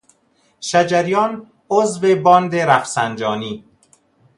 شجریان عضو باند رفسنجانی